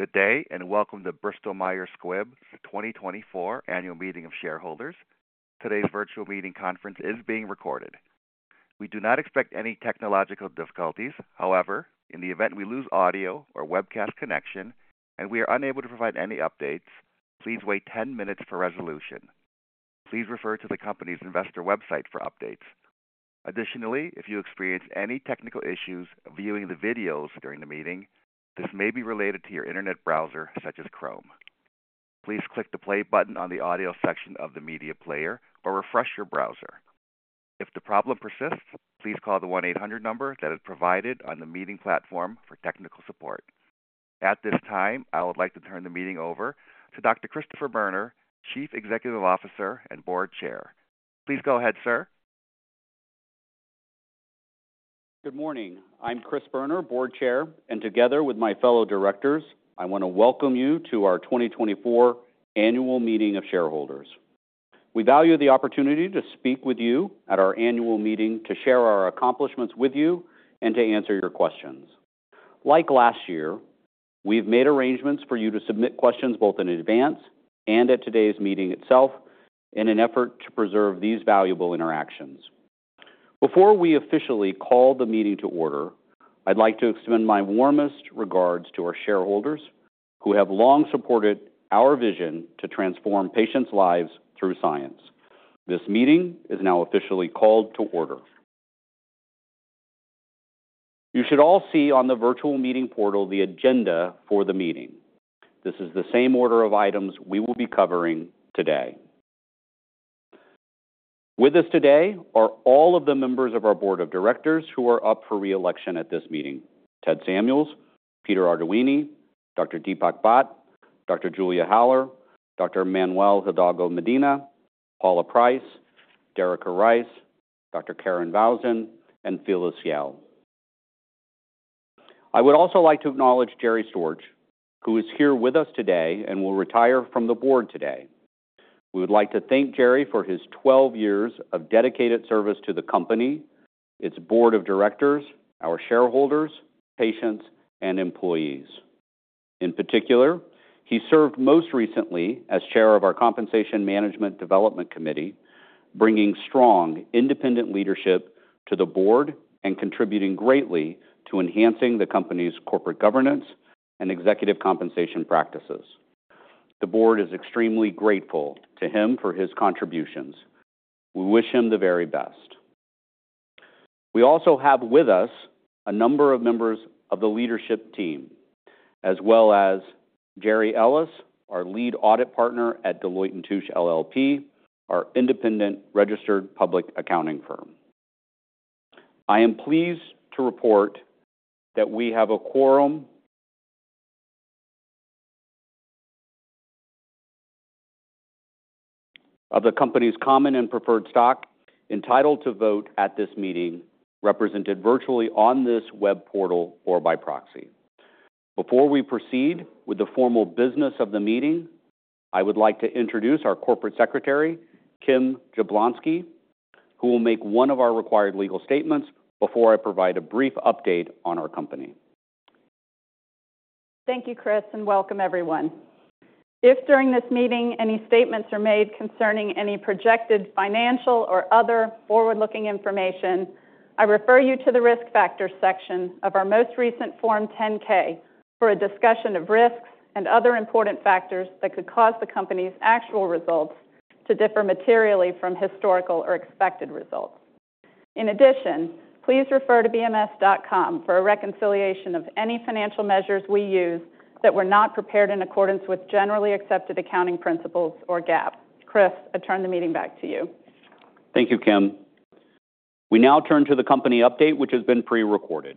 Good day and welcome to Bristol Myers Squibb's 2024 Annual Meeting of Shareholders. Today's virtual meeting conference is being recorded. We do not expect any technological difficulties. However, in the event we lose audio or webcast connection and we are unable to provide any updates, please wait 10 minutes for resolution. Please refer to the company's investor website for updates. Additionally, if you experience any technical issues viewing the videos during the meeting, this may be related to your internet browser, such as Chrome. Please click the Play button on the audio section of the media player or refresh your browser. If the problem persists, please call the 1-800 number that is provided on the meeting platform for technical support. At this time, I would like to turn the meeting over to Dr. Christopher Boerner, Chief Executive Officer and Board Chair. Please go ahead, sir. Good morning. I'm Chris Boerner, Board Chair, and together with my fellow directors, I want to welcome you to our 2024 Annual Meeting of Shareholders. We value the opportunity to speak with you at our annual meeting to share our accomplishments with you and to answer your questions. Like last year, we've made arrangements for you to submit questions both in advance and at today's meeting itself in an effort to preserve these valuable interactions. Before we officially call the meeting to order, I'd like to extend my warmest regards to our shareholders who have long supported our vision to transform patients' lives through science. This meeting is now officially called to order. You should all see on the virtual meeting portal the agenda for the meeting. This is the same order of items we will be covering today. With us today are all of the members of our Board of Directors who are up for reelection at this meeting: Ted Samuels, Peter Arduini, Dr. Deepak Bhatt, Dr. Julia Haller, Dr. Manuel Hidalgo Medina, Paula Price, Derica Rice, Dr. Karen Vousden, and Phyllis Yale. I would also like to acknowledge Jerry Storch, who is here with us today and will retire from the board today. We would like to thank Jerry for his 12 years of dedicated service to the company, its Board of Directors, our shareholders, patients, and employees. In particular, he served most recently as chair of our Compensation and Management Development Committee, bringing strong, independent leadership to the board and contributing greatly to enhancing the company's corporate governance and executive compensation practices. The Board is extremely grateful to him for his contributions. We wish him the very best. We also have with us a number of members of the leadership team, as well as Jerry Ellis, our lead audit partner at Deloitte & Touche LLP, our independent, registered public accounting firm. I am pleased to report that we have a quorum of the company's common and preferred stock entitled to vote at this meeting represented virtually on this web portal or by proxy. Before we proceed with the formal business of the meeting, I would like to introduce our corporate secretary, Kim Jablonski, who will make one of our required legal statements before I provide a brief update on our company. Thank you, Chris, and welcome, everyone. If during this meeting any statements are made concerning any projected financial or other forward-looking information, I refer you to the risk factors section of our most recent Form 10-K for a discussion of risks and other important factors that could cause the company's actual results to differ materially from historical or expected results. In addition, please refer to bms.com for a reconciliation of any financial measures we use that were not prepared in accordance with generally accepted accounting principles or GAAP. Chris, I turn the meeting back to you. Thank you, Kim. We now turn to the company update, which has been prerecorded.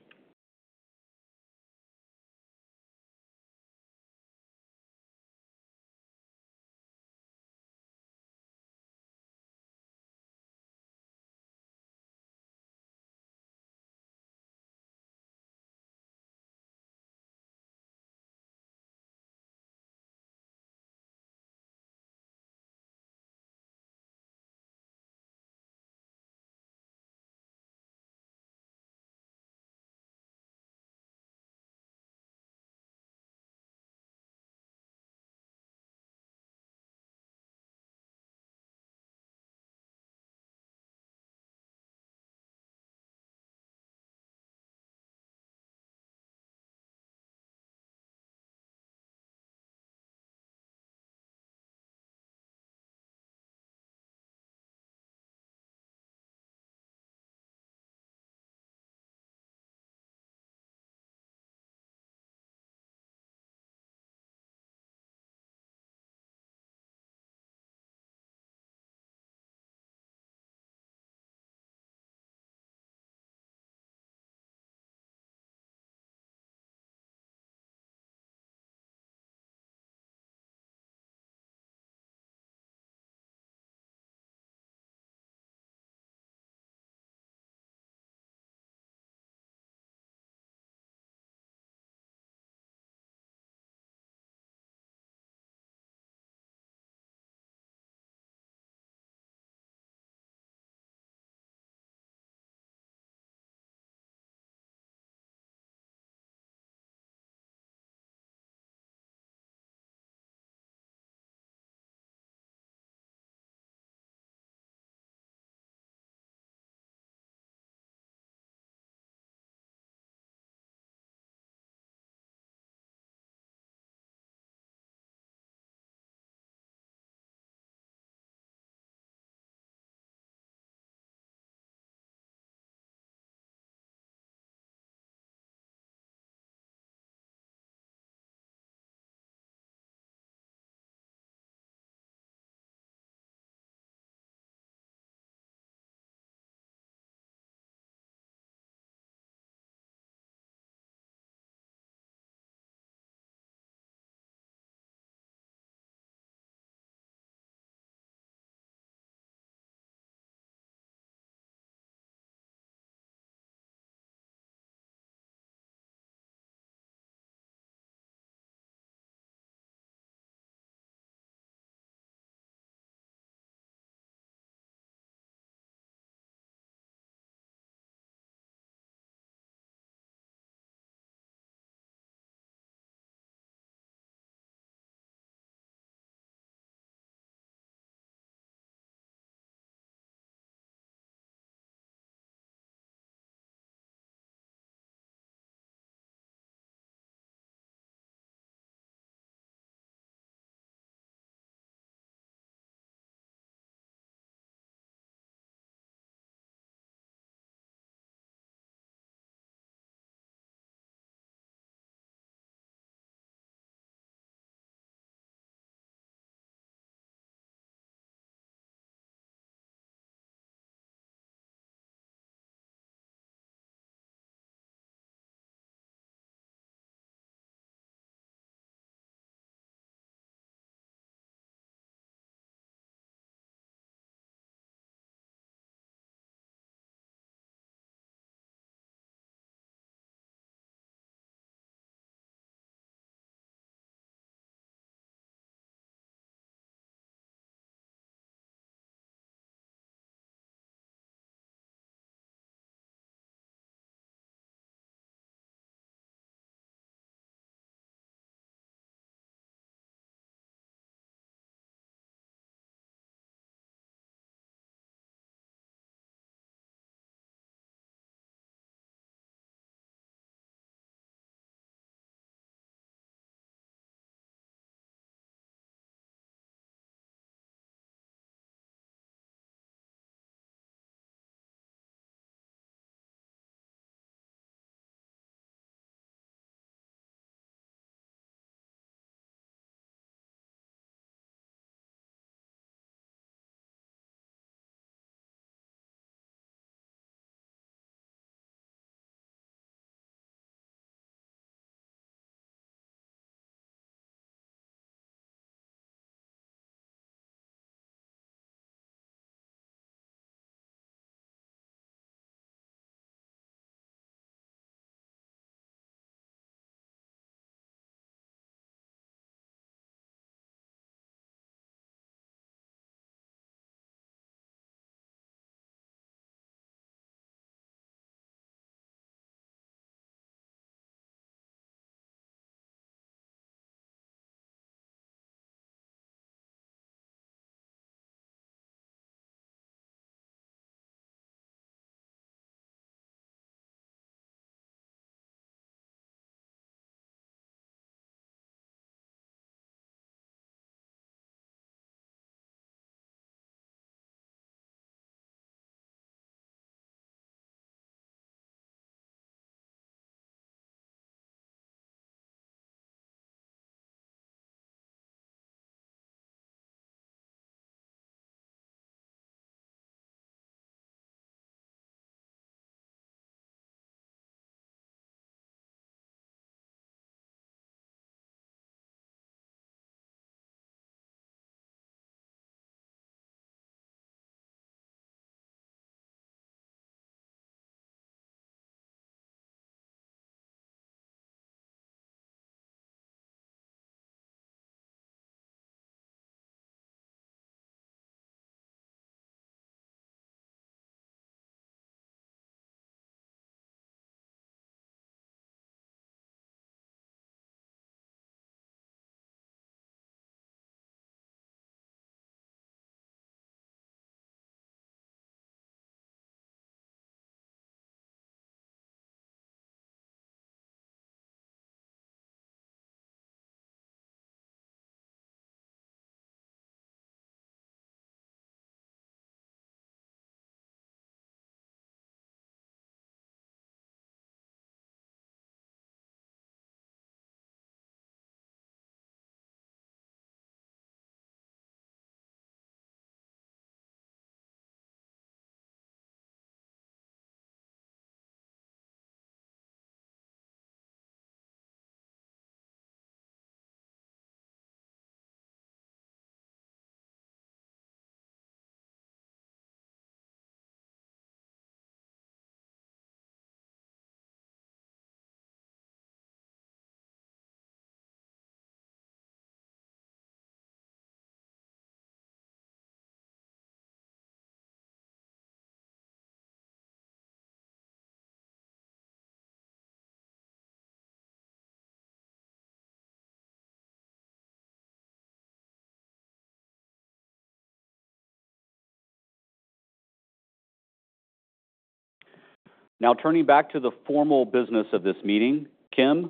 Now turning back to the formal business of this meeting. Kim,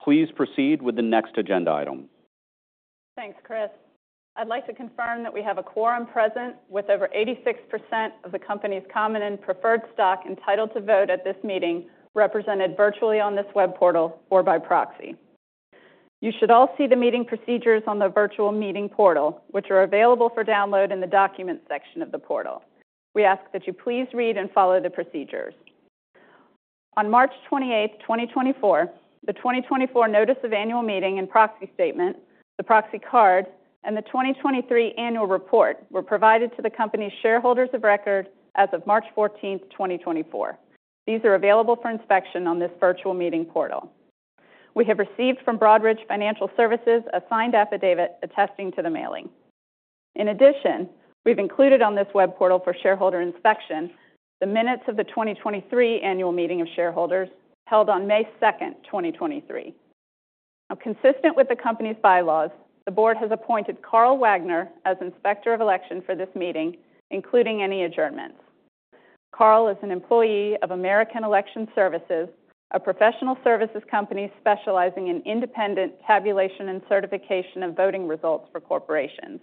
please proceed with the next agenda item. Thanks, Chris. I'd like to confirm that we have a quorum present with over 86% of the company's common and preferred stock entitled to vote at this meeting represented virtually on this web portal or by proxy. You should all see the meeting procedures on the virtual meeting portal, which are available for download in the documents section of the portal. We ask that you please read and follow the procedures. On March 28th, 2024, the 2024 Notice of Annual Meeting and Proxy Statement, the proxy card, and the 2023 Annual Report were provided to the company's shareholders of record as of March 14th, 2024. These are available for inspection on this virtual meeting portal. We have received from Broadridge Financial Solutions a signed affidavit attesting to the mailing. In addition, we've included on this web portal for shareholder inspection the minutes of the 2023 Annual Meeting of Shareholders held on May 2nd, 2023. Now, consistent with the company's bylaws, the board has appointed Carl Wagner as inspector of election for this meeting, including any adjournments. Carl is an employee of American Election Services, a professional services company specializing in independent tabulation and certification of voting results for corporations.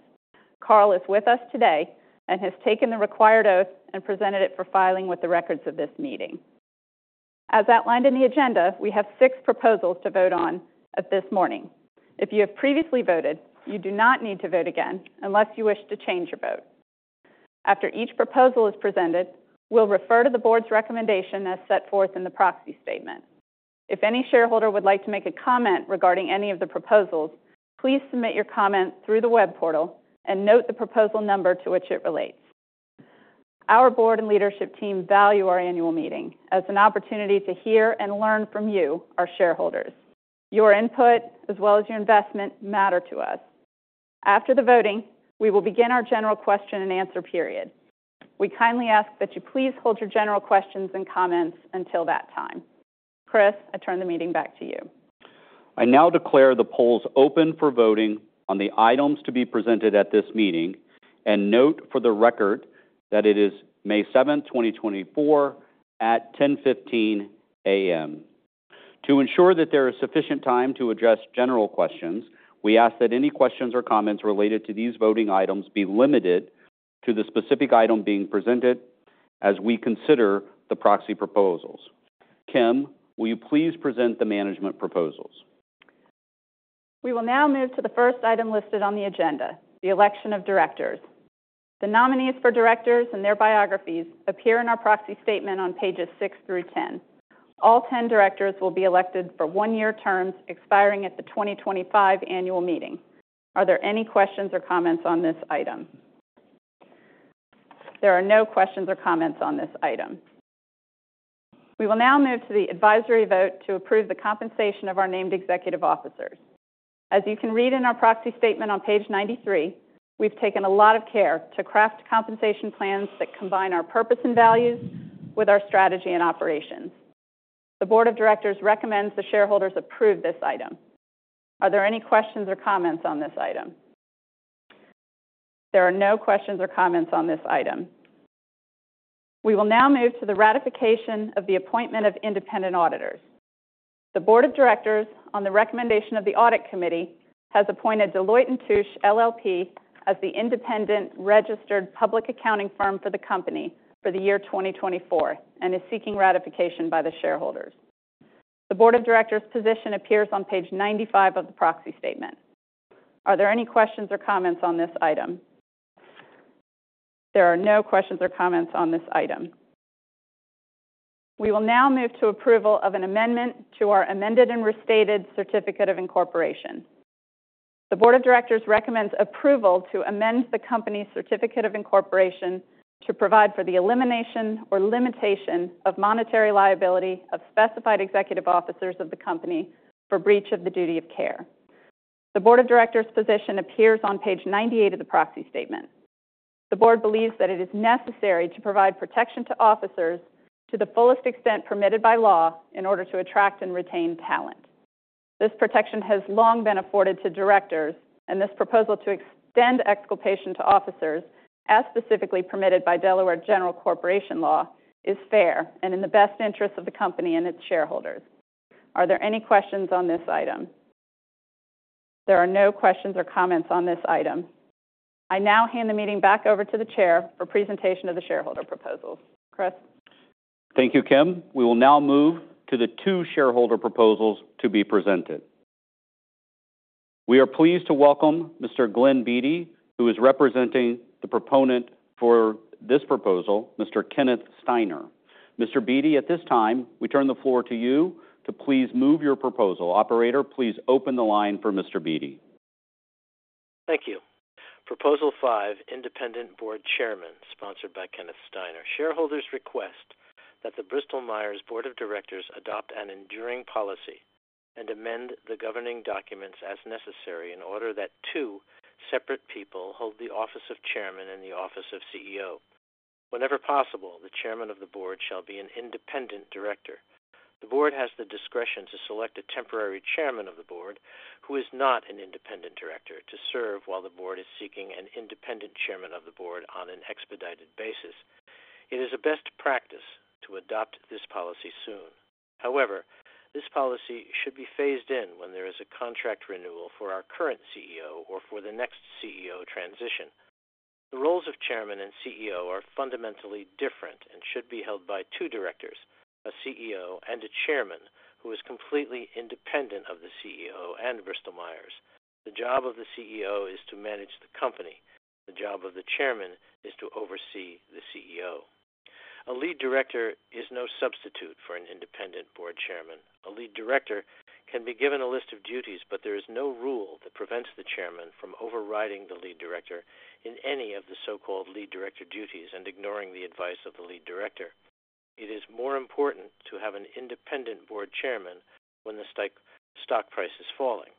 Carl is with us today and has taken the required oath and presented it for filing with the records of this meeting. As outlined in the agenda, we have six proposals to vote on this morning. If you have previously voted, you do not need to vote again unless you wish to change your vote. After each proposal is presented, we'll refer to the board's recommendation as set forth in the proxy statement. If any shareholder would like to make a comment regarding any of the proposals, please submit your comment through the web portal and note the proposal number to which it relates. Our board and leadership team value our annual meeting as an opportunity to hear and learn from you, our shareholders. Your input, as well as your investment, matter to us. After the voting, we will begin our general question and answer period. We kindly ask that you please hold your general questions and comments until that time. Chris, I turn the meeting back to you. I now declare the polls open for voting on the items to be presented at this meeting and note for the record that it is May 7th, 2024, at 10:15 A.M. To ensure that there is sufficient time to address general questions, we ask that any questions or comments related to these voting items be limited to the specific item being presented as we consider the proxy proposals. Kim, will you please present the management proposals? We will now move to the first item listed on the agenda, the election of directors. The nominees for directors and their biographies appear in our Proxy Statement on pages six through 10. All 10 directors will be elected for one-year terms expiring at the 2025 Annual Meeting. Are there any questions or comments on this item? There are no questions or comments on this item. We will now move to the advisory vote to approve the compensation of our named executive officers. As you can read in our Proxy Statement on page 93, we've taken a lot of care to craft compensation plans that combine our purpose and values with our strategy and operations. The Board of Directors recommends the shareholders approve this item. Are there any questions or comments on this item? There are no questions or comments on this item. We will now move to the ratification of the appointment of independent auditors. The Board of Directors, on the recommendation of the Audit Committee, has appointed Deloitte & Touche LLP as the independent registered public accounting firm for the company for the year 2024 and is seeking ratification by the shareholders. The Board of Directors' position appears on page 95 of the Proxy Statement. Are there any questions or comments on this item? There are no questions or comments on this item. We will now move to approval of an amendment to our amended and restated Certificate of Incorporation. The Board of Directors recommends approval to amend the company's Certificate of Incorporation to provide for the elimination or limitation of monetary liability of specified executive officers of the company for breach of the duty of care. The Board of Directors' position appears on page 98 of the Proxy Statement. The Board believes that it is necessary to provide protection to officers to the fullest extent permitted by law in order to attract and retain talent. This protection has long been afforded to directors, and this proposal to extend exculpation to officers as specifically permitted by Delaware General Corporation Law is fair and in the best interests of the company and its shareholders. Are there any questions on this item? There are no questions or comments on this item. I now hand the meeting back over to the Chair for presentation of the shareholder proposals. Chris? Thank you, Kim. We will now move to the two shareholder proposals to be presented. We are pleased to welcome Mr. Glenn Beatty, who is representing the proponent for this proposal, Mr. Kenneth Steiner. Mr. Beatty, at this time, we turn the floor to you to please move your proposal. Operator, please open the line for Mr. Beatty. Thank you. Proposal 5, independent board chairman, sponsored by Kenneth Steiner. Shareholders request that the Bristol Myers Squibb Board of Directors adopt an enduring policy and amend the governing documents as necessary in order that two separate people hold the office of chairman and the office of CEO. Whenever possible, the chairman of the board shall be an independent director. The board has the discretion to select a temporary chairman of the board who is not an independent director to serve while the board is seeking an independent chairman of the board on an expedited basis. It is a best practice to adopt this policy soon. However, this policy should be phased in when there is a contract renewal for our current CEO or for the next CEO transition. The roles of chairman and CEO are fundamentally different and should be held by two directors, a CEO and a chairman, who is completely independent of the CEO and Bristol Myers. The job of the CEO is to manage the company. The job of the chairman is to oversee the CEO. A lead director is no substitute for an independent board chairman. A lead director can be given a list of duties, but there is no rule that prevents the chairman from overriding the lead director in any of the so-called lead director duties and ignoring the advice of the lead director. It is more important to have an independent board chairman when the stock price is falling.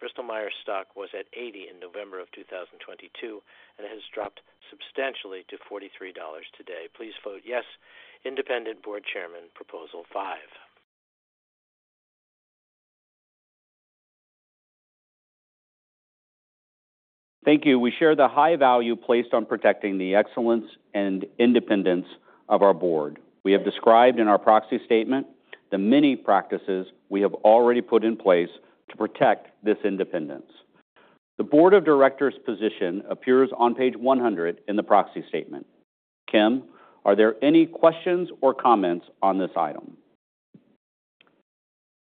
Bristol Myers stock was at 80 in November of 2022 and has dropped substantially to $43 today. Please vote yes, independent board chairman, Proposal 5. Thank you. We share the high value placed on protecting the excellence and independence of our board. We have described in our Proxy Statement the many practices we have already put in place to protect this independence. The Board of Directors' position appears on page 100 in the Proxy Statement. Kim, are there any questions or comments on this item?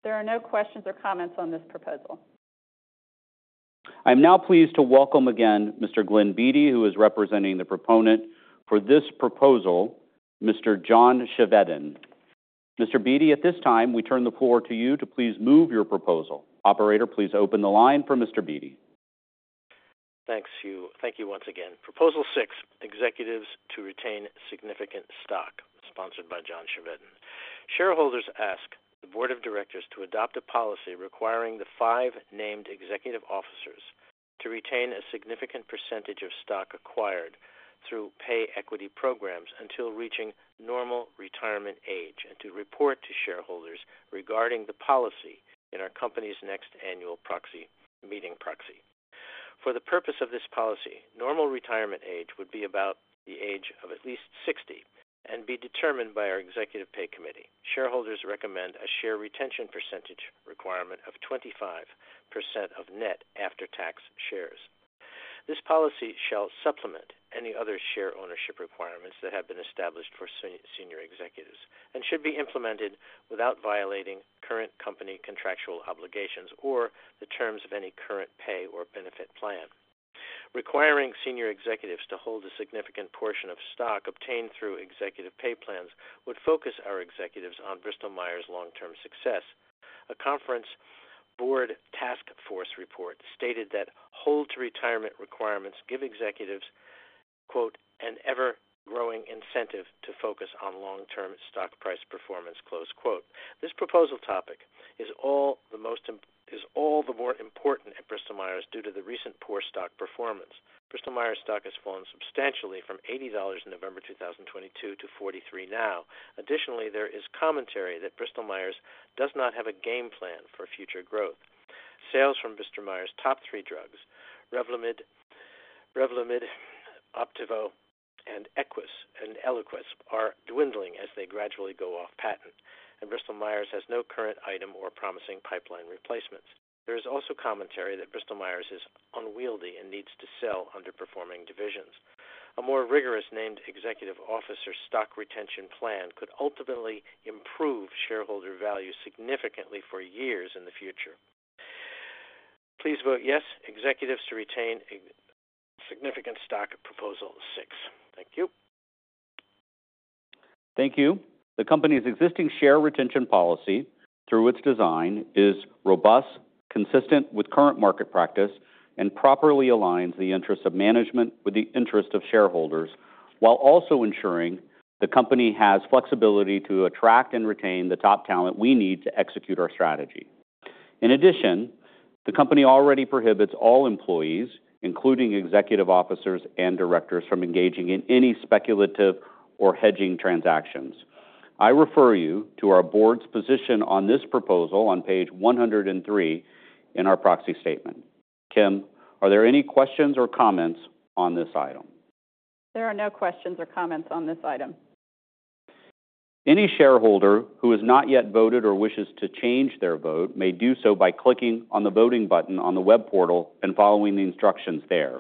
There are no questions or comments on this proposal. I am now pleased to welcome again Mr. Glenn Beatty, who is representing the proponent for this proposal, Mr. John Chevedden. Mr. Beatty, at this time, we turn the floor to you to please move your proposal. Operator, please open the line for Mr. Beatty. Thank you. Thank you once again. Proposal 6, executives to retain significant stock, sponsored by John Chevedden. Shareholders ask the board of directors to adopt a policy requiring the five named executive officers to retain a significant percentage of stock acquired through pay equity programs until reaching normal retirement age and to report to shareholders regarding the policy in our company's next annual proxy meeting proxy. For the purpose of this policy, normal retirement age would be about the age of at least 60 and be determined by our executive pay committee. Shareholders recommend a share retention percentage requirement of 25% of net after-tax shares. This policy shall supplement any other share ownership requirements that have been established for senior executives and should be implemented without violating current company contractual obligations or the terms of any current pay or benefit plan. Requiring senior executives to hold a significant portion of stock obtained through executive pay plans would focus our executives on Bristol Myers Squibb's long-term success. A Conference Board task force report stated that hold-to-retirement requirements give executives "an ever-growing incentive to focus on long-term stock price performance." This proposal topic is all the more important at Bristol Myers Squibb due to the recent poor stock performance. Bristol Myers Squibb's stock has fallen substantially from $80 in November 2022 to $43 now. Additionally, there is commentary that Bristol Myers Squibb does not have a game plan for future growth. Sales from Bristol Myers Squibb's top three drugs, Revlimid, Opdivo, and Eliquis, are dwindling as they gradually go off patent, and Bristol Myers Squibb has no current item or promising pipeline replacements. There is also commentary that Bristol Myers Squibb is unwieldy and needs to sell underperforming divisions. A more rigorous named executive officer stock retention plan could ultimately improve shareholder value significantly for years in the future. Please vote yes, executives to retain significant stock, Proposal 6. Thank you. Thank you. The company's existing share retention policy, through its design, is robust, consistent with current market practice, and properly aligns the interests of management with the interests of shareholders while also ensuring the company has flexibility to attract and retain the top talent we need to execute our strategy. In addition, the company already prohibits all employees, including executive officers and directors, from engaging in any speculative or hedging transactions. I refer you to our board's position on this proposal on page 103 in our proxy statement. Kim, are there any questions or comments on this item? There are no questions or comments on this item. Any shareholder who has not yet voted or wishes to change their vote may do so by clicking on the voting button on the web portal and following the instructions there.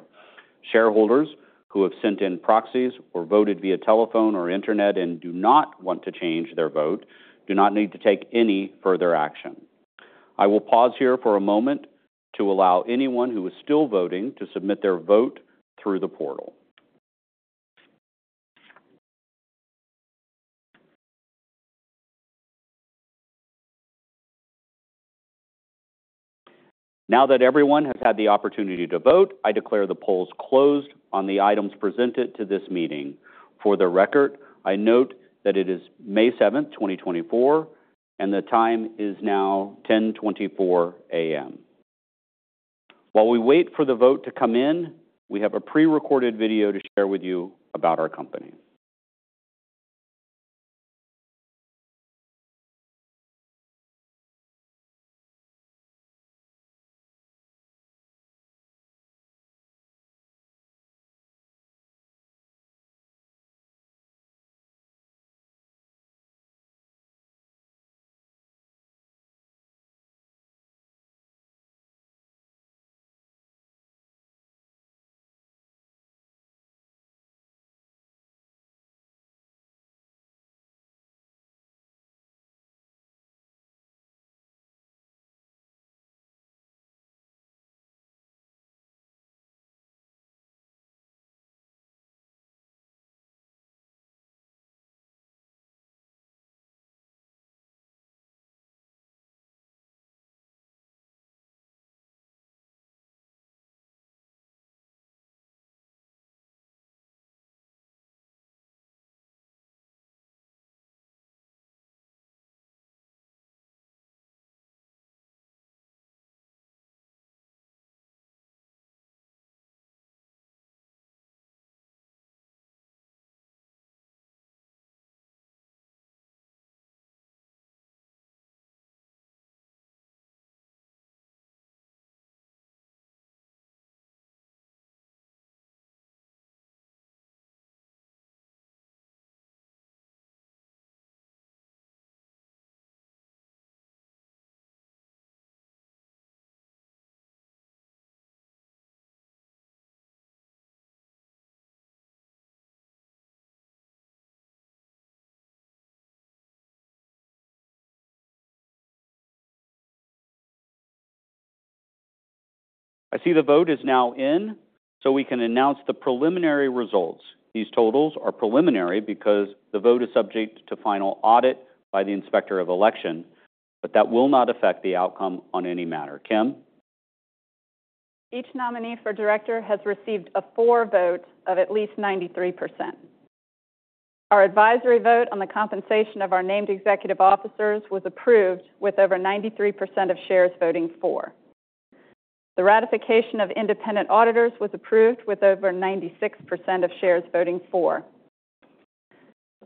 Shareholders who have sent in proxies or voted via telephone or internet and do not want to change their vote do not need to take any further action. I will pause here for a moment to allow anyone who is still voting to submit their vote through the portal. Now that everyone has had the opportunity to vote, I declare the polls closed on the items presented to this meeting. For the record, I note that it is May 7th, 2024, and the time is now 10:24 A.M. While we wait for the vote to come in, we have a prerecorded video to share with you about our company. I see the vote is now in, so we can announce the preliminary results. These totals are preliminary because the vote is subject to final audit by the Inspector of Election, but that will not affect the outcome on any matter. Kim? Each nominee for director has received a for vote of at least 93%. Our advisory vote on the compensation of our named executive officers was approved with over 93% of shares voting for. The ratification of independent auditors was approved with over 96% of shares voting for.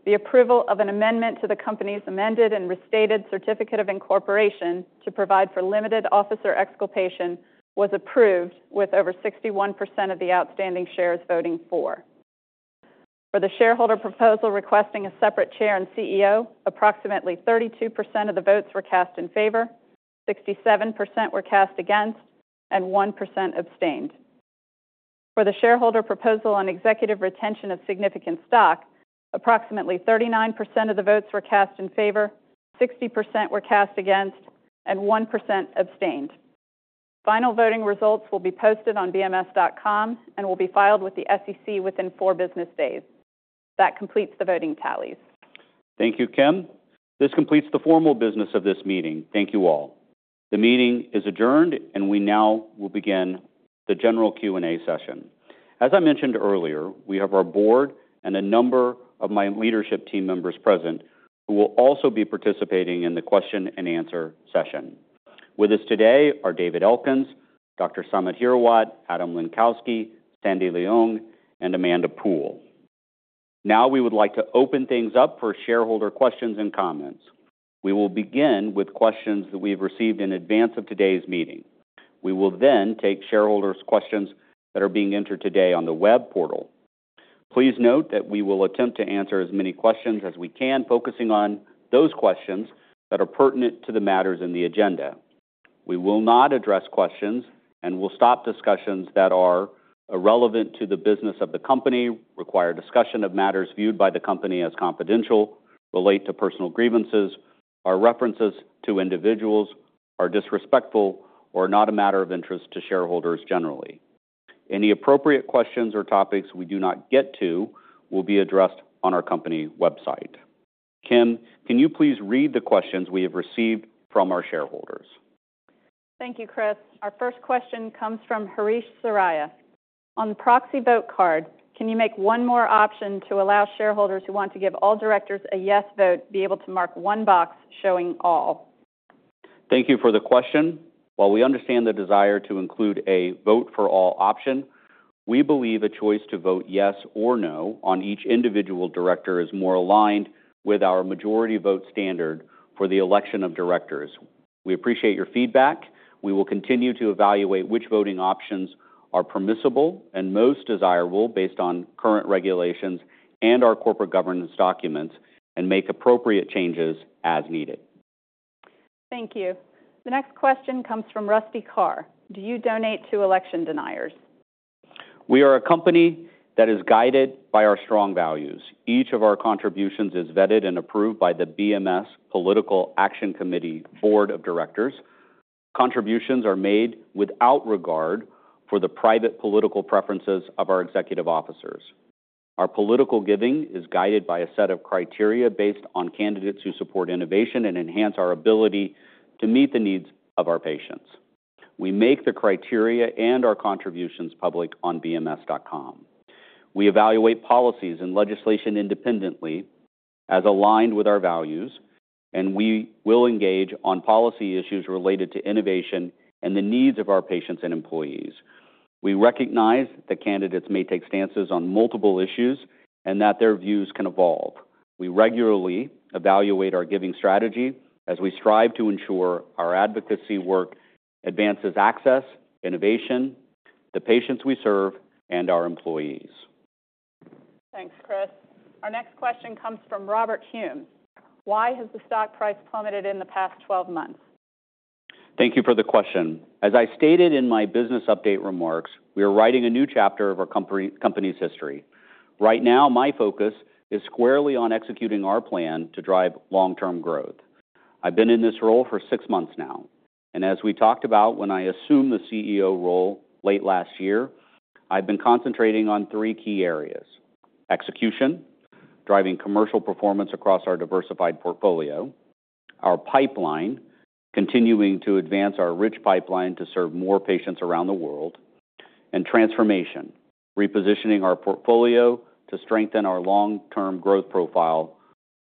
The approval of an amendment to the company's amended and restated Certificate of Incorporation to provide for limited officer exculpation was approved with over 61% of the outstanding shares voting for. For the shareholder proposal requesting a separate chair and CEO, approximately 32% of the votes were cast in favor, 67% were cast against, and 1% abstained. For the shareholder proposal on executive retention of significant stock, approximately 39% of the votes were cast in favor, 60% were cast against, and 1% abstained. Final voting results will be posted on bms.com and will be filed with the SEC within four business days. That completes the voting tallies. Thank you, Kim. This completes the formal business of this meeting. Thank you all. The meeting is adjourned, and we now will begin the general Q&A session. As I mentioned earlier, we have our board and a number of my leadership team members present who will also be participating in the question and answer session. With us today are David Elkins, Dr. Samit Hirawat, Adam Lenkowsky, Sandra Leung, and Amanda Poole. Now we would like to open things up for shareholder questions and comments. We will begin with questions that we've received in advance of today's meeting. We will then take shareholders' questions that are being entered today on the web portal. Please note that we will attempt to answer as many questions as we can, focusing on those questions that are pertinent to the matters in the agenda. We will not address questions and will stop discussions that are irrelevant to the business of the company, require discussion of matters viewed by the company as confidential, relate to personal grievances, are references to individuals, are disrespectful, or are not a matter of interest to shareholders generally. Any appropriate questions or topics we do not get to will be addressed on our company website. Kim, can you please read the questions we have received from our shareholders? Thank you, Chris. Our first question comes from Harish Saraiya. On the proxy vote card, can you make one more option to allow shareholders who want to give all directors a yes vote be able to mark one box showing all? Thank you for the question. While we understand the desire to include a vote-for-all option, we believe a choice to vote yes or no on each individual director is more aligned with our majority vote standard for the election of directors. We appreciate your feedback. We will continue to evaluate which voting options are permissible and most desirable based on current regulations and our corporate governance documents and make appropriate changes as needed. Thank you. The next question comes from Rusty Carr. Do you donate to election deniers? We are a company that is guided by our strong values. Each of our contributions is vetted and approved by the BMS Political Action Committee Board of Directors. Contributions are made without regard for the private political preferences of our executive officers. Our political giving is guided by a set of criteria based on candidates who support innovation and enhance our ability to meet the needs of our patients. We make the criteria and our contributions public on bms.com. We evaluate policies and legislation independently as aligned with our values, and we will engage on policy issues related to innovation and the needs of our patients and employees. We recognize that candidates may take stances on multiple issues and that their views can evolve. We regularly evaluate our giving strategy as we strive to ensure our advocacy work advances access, innovation, the patients we serve, and our employees. Thanks, Chris. Our next question comes from Robert Humes. Why has the stock price plummeted in the past 12 months? Thank you for the question. As I stated in my business update remarks, we are writing a new chapter of our company's history. Right now, my focus is squarely on executing our plan to drive long-term growth. I've been in this role for six months now, and as we talked about when I assumed the CEO role late last year, I've been concentrating on three key areas: execution, driving commercial performance across our diversified portfolio, our pipeline, continuing to advance our rich pipeline to serve more patients around the world, and transformation, repositioning our portfolio to strengthen our long-term growth profile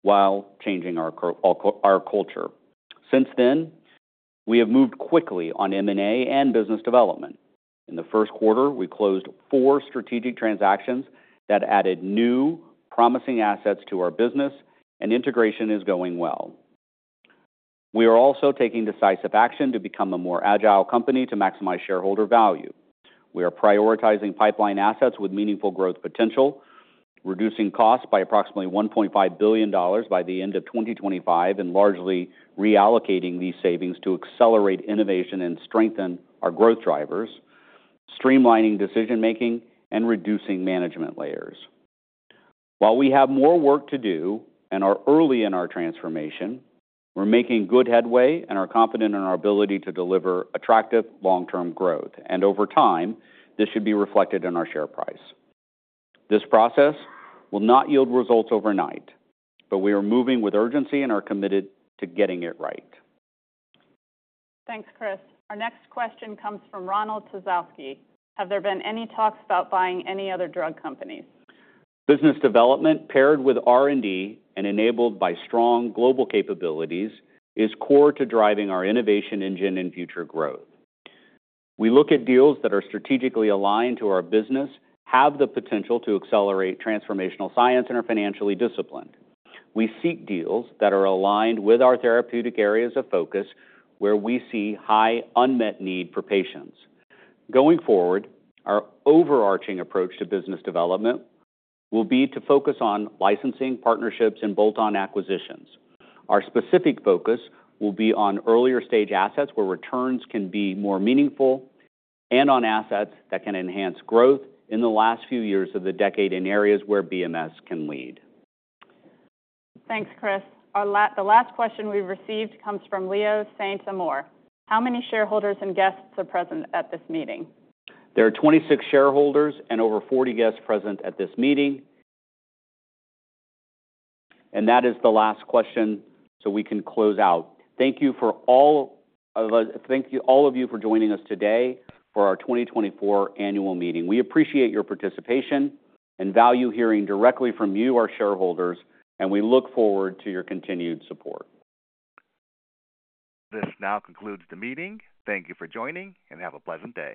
while changing our culture. Since then, we have moved quickly on M&A and business development. In the first quarter, we closed four strategic transactions that added new, promising assets to our business, and integration is going well. We are also taking decisive action to become a more agile company to maximize shareholder value. We are prioritizing pipeline assets with meaningful growth potential, reducing costs by approximately $1.5 billion by the end of 2025, and largely reallocating these savings to accelerate innovation and strengthen our growth drivers, streamlining decision-making, and reducing management layers. While we have more work to do and are early in our transformation, we're making good headway and are confident in our ability to deliver attractive long-term growth, and over time, this should be reflected in our share price. This process will not yield results overnight, but we are moving with urgency and are committed to getting it right. Thanks, Chris. Our next question comes from Ronald Zowski. Have there been any talks about buying any other drug companies? Business development, paired with R&D and enabled by strong global capabilities, is core to driving our innovation engine and future growth. We look at deals that are strategically aligned to our business, have the potential to accelerate transformational science, and are financially disciplined. We seek deals that are aligned with our therapeutic areas of focus where we see high unmet need for patients. Going forward, our overarching approach to business development will be to focus on licensing, partnerships, and bolt-on acquisitions. Our specific focus will be on earlier-stage assets where returns can be more meaningful and on assets that can enhance growth in the last few years of the decade in areas where BMS can lead. Thanks, Chris. The last question we've received comes from Leo Saint-Amour. How many shareholders and guests are present at this meeting? There are 26 shareholders and over 40 guests present at this meeting, and that is the last question so we can close out. Thank you for all of you for joining us today for our 2024 annual meeting. We appreciate your participation and value hearing directly from you, our shareholders, and we look forward to your continued support. This now concludes the meeting. Thank you for joining, and have a pleasant day.